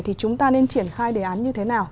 thì chúng ta nên triển khai đề án như thế nào